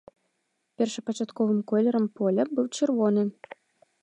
Першапачатковым колерам поля быў чырвоны.